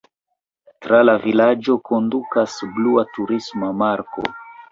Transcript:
Tra la vilaĝo kondukas blua turisma marko.